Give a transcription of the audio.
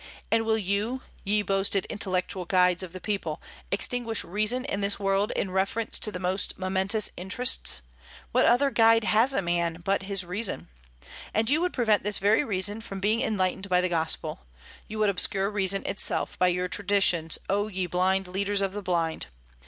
And will you, ye boasted intellectual guides of the people, extinguish reason in this world in reference to the most momentous interests? What other guide has a man but his reason? And you would prevent this very reason from being enlightened by the Gospel! You would obscure reason itself by your traditions, O ye blind leaders of the blind!